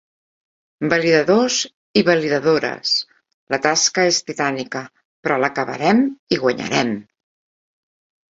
Validadors i validadores, la tasca és titànica, però l'acabarem i guanyarem!